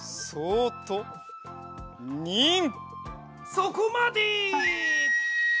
そこまで！